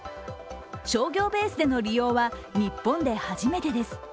商業ベースでの利用は日本で初めてです。